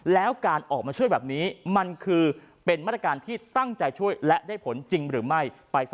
แล้วการออกมาช่วยแบบนี้มันคือเป็นมาตรการที่ตั้งใจช่วยและได้ผลจริงหรือไม่ไปฟัง